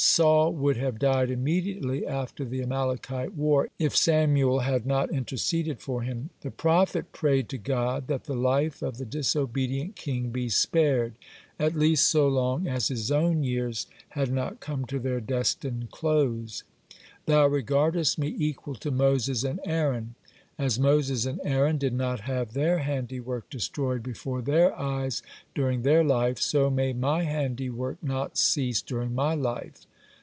Saul would have died immediately after the Amalekite war, if Samuel had not interceded for him. The prophet prayed to God that the life of the disobedient king be spared, at least so long as his own years had not come to their destined close: "Thou regardest me equal to Moses and Aaron. (67) As Moses and Aaron did not have their handiwork destroyed before their eyes during their life, so may my handiwork not cease during my life."